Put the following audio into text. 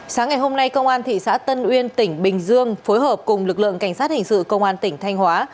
sáng ngày hôm nay công an thị xã tân uyên tỉnh bình dương phối hợp cùng lực lượng cảnh sát hình sự công an tỉnh thanh hóa